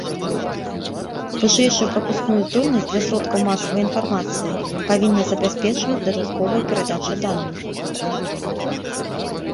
Вышэйшую прапускную здольнасць для сродкаў масавай інфармацыі павінна забяспечваць дадатковая перадача даных.